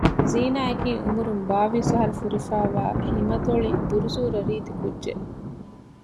ޒީނާއަކީ އުމުރުން ބާވީސް އަހަރު ފުރިފައިވާ ހިމަތޮޅި ބުރުސޫރަ ރީތި ކުއްޖެއް